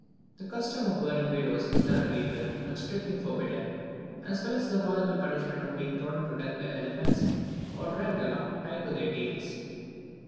The custom of burning widows is done away with, and strictly forbidden; as well as the horrible punishment of being trodden to death by elephants, or dragged along, tied to their tails.